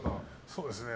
そうですね。